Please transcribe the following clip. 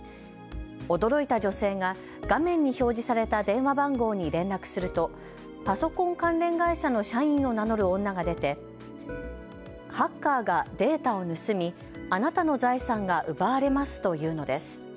驚いた女性が画面に表示された電話番号に連絡するとパソコン関連会社の社員を名乗る女が出てハッカーがデータを盗みあなたの財産が奪われますと言うのです。